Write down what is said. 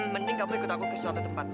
mending kamu ikut aku ke suatu tempat